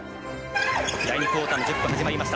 第２クオーターの１０分、始まりました。